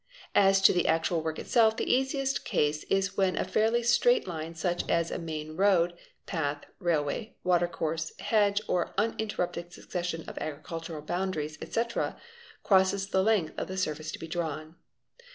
As to the actual work itself the easiest case is when a fairly straight line such as a main road, path, railway, water course, hedge, an uninter rupted succession of agricultural boundaries, etc., crosses the length of the surface to be drawn.